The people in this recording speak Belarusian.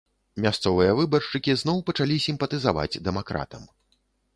Мясцовыя выбаршчыкі зноў пачалі сімпатызаваць дэмакратам.